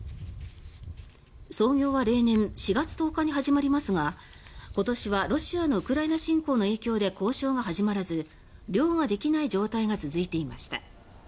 操業は例年、４月１０日に始まりますが今年はロシアのウクライナ侵攻の影響で交渉が始まらず漁ができない状態が続いていました。